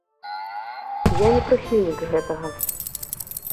Я не прыхільнік гэтага.